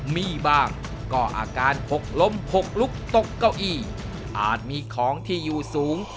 มีบ้างก็อาการหกล้มหกลุกตกเก้าอี้อาจมีของที่อยู่สูง